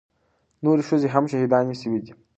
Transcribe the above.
نورې ښځې هم شهيدانې سوې دي.